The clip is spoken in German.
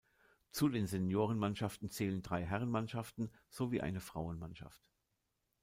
Zu den Seniorenmannschaften zählen drei Herrenmannschaften sowie eine Frauenmannschaft.